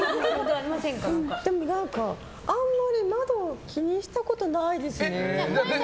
でも何かあんまり窓を気にしたことないですね。